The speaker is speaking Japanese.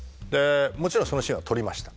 もちろんそのシーンは撮りました。